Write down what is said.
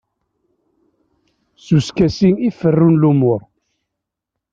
S uskasi i ferrun lumuṛ.